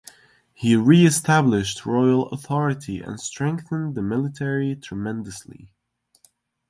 He reestablished royal authority, and strengthened the military tremendously.